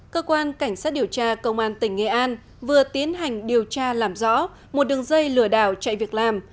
cơ quan cảnh sát điều tra công an tỉnh nghệ an vừa tiến hành điều tra làm rõ một đường dây lừa đảo chạy việc làm